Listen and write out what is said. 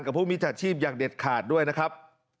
ผู้มิจฉาชีพอย่างเด็ดขาดด้วยนะครับ